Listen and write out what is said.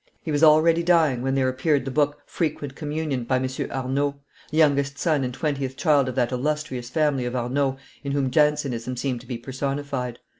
He was already dying when there appeared the book Frequente Communion, by M. Arnauld, youngest son and twentieth child of that illustrious family of Arnaulds in whom Jansenism seemed to be personified.